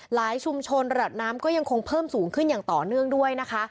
ชุมชนระดับน้ำก็ยังคงเพิ่มสูงขึ้นอย่างต่อเนื่องด้วยนะคะ